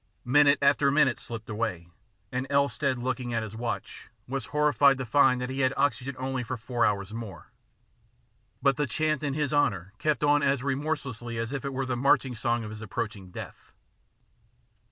Minute after minute slipped away, and Elstead, looking at his watch, was horrified to find that he had oxygen only for four hours more. But the chant in his honour kept on as remorselessly as if it was the marching song of his approaching death.